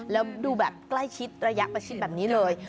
แล้วดูแบบใกล้ชิดระยะประชิดแบบนี้เลย